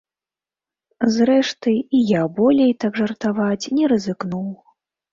Зрэшты, і я болей так жартаваць не рызыкнуў.